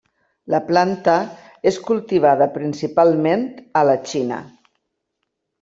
La planta és cultivada principalment a la Xina.